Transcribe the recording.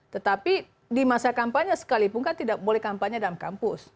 tetapi di masa kampanye sekalipun kan tidak boleh kampanye dalam kampus